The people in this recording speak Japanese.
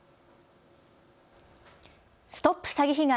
ＳＴＯＰ詐欺被害！